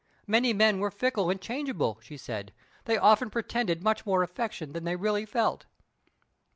Many men were fickle and changeable, she said; they often pretended much more affection than they really felt.